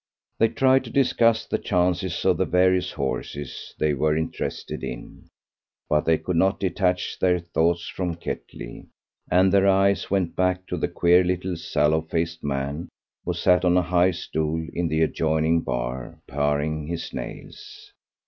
They tried to discuss the chances of the various horses they were interested in, but they could not detach their thoughts from Ketley, and their eyes went back to the queer little sallow faced man who sat on a high stool in the adjoining bar paring his nails.